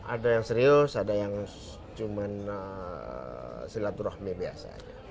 ada yang serius ada yang cuman silaturahmi biasa